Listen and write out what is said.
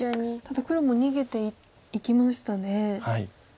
ただ黒も逃げていきましたね。